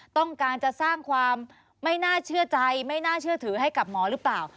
ต้องการจะสร้างความไม่น่าเชื่อใจไม่น่าเชื่อถือให้กับหมอหรือเปล่า